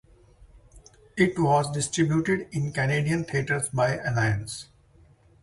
It was distributed in Canadian theaters by Alliance.